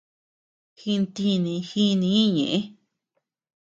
Jintini jinii ñeʼe.